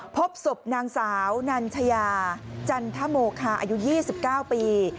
พบศพนางสาวนัญชยาจันทโมคาอายุ๒๙ปี